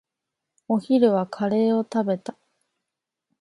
お昼はカレーを食べた。